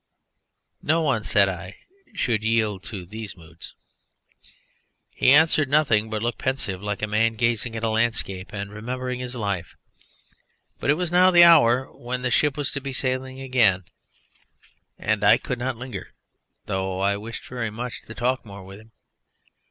"No one" said I, "should yield to these moods." He answered nothing, but looked pensive like a man gazing at a landscape and remembering his life. But it was now the hour when the ship was to be sailing again, and I could not linger, though I wished very much to talk more with him.